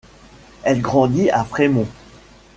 Elle grandit à Fremont.